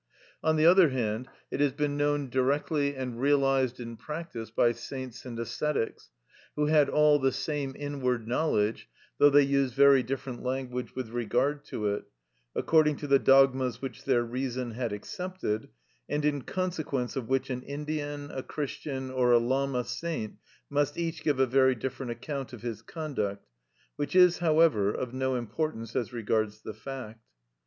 On the other hand, it has been known directly and realised in practice by saints and ascetics, who had all the same inward knowledge, though they used very different language with regard to it, according to the dogmas which their reason had accepted, and in consequence of which an Indian, a Christian, or a Lama saint must each give a very different account of his conduct, which is, however, of no importance as regards the fact.